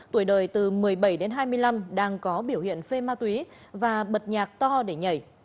tuổi đời từ một mươi bảy đến hai mươi năm đang có biểu hiện phê ma túy và bật nhạc to để nhảy